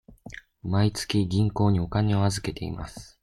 毎月銀行にお金を預けています。